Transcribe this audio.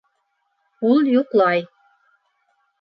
Ул йоҡлай...